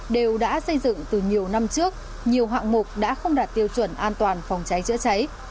đều đã xây dựng từ nhiều năm trước nhiều hạng mục đã không đạt tiêu chuẩn an toàn phòng cháy chữa cháy